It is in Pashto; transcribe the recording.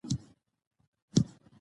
خواږه وخوره، خو په اندازه